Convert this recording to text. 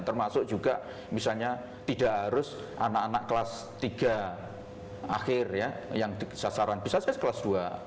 termasuk juga misalnya tidak harus anak anak kelas tiga akhir ya yang sasaran bisa saja kelas dua